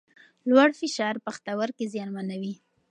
لوړ فشار پښتورګي زیانمنوي.